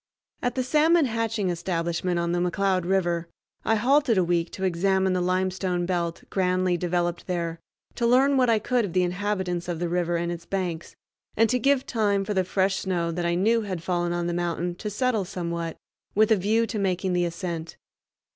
At the salmon hatching establishment on the McCloud River I halted a week to examine the limestone belt, grandly developed there, to learn what I could of the inhabitants of the river and its banks, and to give time for the fresh snow that I knew had fallen on the mountain to settle somewhat, with a view to making the ascent.